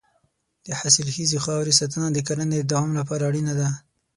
د حاصلخیزې خاورې ساتنه د کرنې د دوام لپاره اړینه ده.